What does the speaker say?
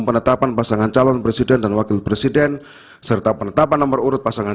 penetapan pasangan calon presiden dan wakil presiden serta penetapan nomor urut pasangan